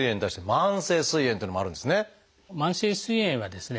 慢性すい炎はですね